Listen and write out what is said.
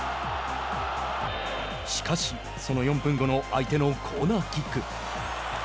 しかし、その４分後の相手のコーナーキック。